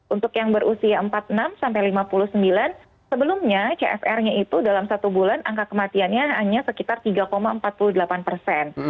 untuk yang berusia empat puluh enam sampai lima puluh sembilan sebelumnya cfr nya itu dalam satu bulan angka kematiannya hanya sekitar tiga empat puluh delapan persen